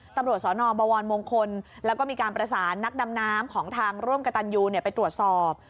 ตำรวจสนบวรมงคลแล้วก็มีการประสานนักดำน้ำของทางร่วมกับตันยูไปตรวจสอบ